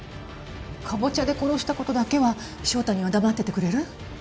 カボチャで殺した事だけは翔太には黙っててくれる？